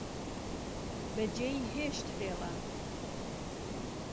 بهجێی هێشت خێڵان